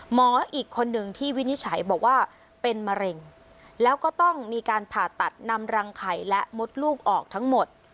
หมออีกคนหนึ่งที่วินิจฉัยบอกว่าเป็นมะเร็งแล้วก็ต้องมีการผ่าตัดนำรังไข่และมดลูกออกทั้งหมด